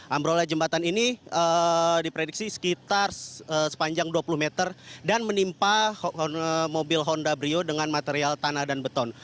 ambrolnya jembatan ini diprediksi sekitar sepanjang dua puluh meter dan menimpa mobil honda brio dengan material tanah dan beton